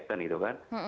kan itu kan